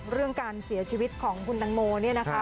เรื่องการเสียชีวิตของคุณตังโมเนี่ยนะคะ